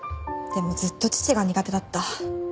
でもずっと父が苦手だった。